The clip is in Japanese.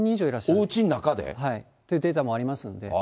おうちの中で？ってデータもありますんで。